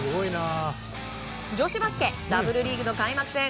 女子バスケＷリーグの開幕戦。